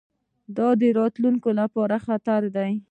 دا د راتلونکي لپاره خطر دی.